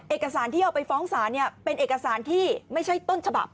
เอกสารที่เอาไปฟ้องศาลเป็นเอกสารที่ไม่ใช่ต้นฉบับ